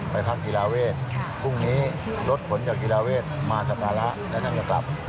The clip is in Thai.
พักกีฬาเวทพรุ่งนี้รถขนจากกีฬาเวทมาสการะแล้วท่านจะกลับ